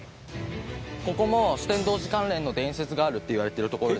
ここも酒呑童子関連の伝説があるっていわれてる所です。